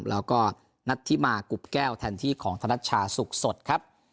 แล้วก็นัทธิมากุบแก้วแทนที่ของธนัชชาสุขสดครับ